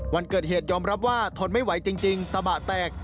วันเกิดเหตุยอมรับว่าทนไม่ไหวจริงตะบะแตก